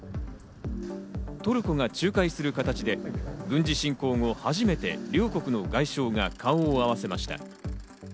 トルコが仲介する形で軍事侵攻後、初めて両国の外相が顔を合わせました。